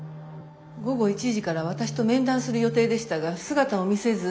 午後１時から私と面談する予定でしたが姿を見せず。